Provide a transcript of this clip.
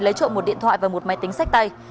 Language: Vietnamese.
lấy trộm một điện thoại và một máy tính sách tay